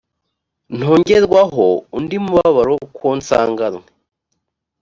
ntongerwaho undi mubabaro ku uwo nsanganywe